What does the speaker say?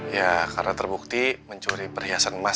ya karena terbukti mencuri perhiasan emas